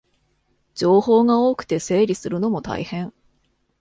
情報が多くて整理するのも大変